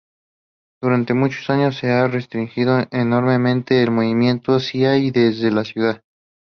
Durante muchos años, se ha restringido enormemente el movimiento hacia y desde la ciudad.